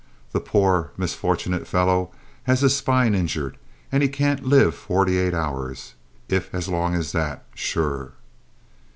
The poor misfortunate fellow has his spoine injured, and he can't live forty eight hours, if as long as that, sure!"